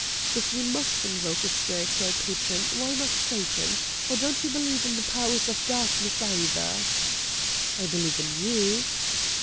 "If you must invoke a spiritual patron, why not Satan? Or don't you believe in the Powers of Darkness, either?" "I believe in you."